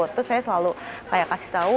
terus saya selalu kayak kasih tahu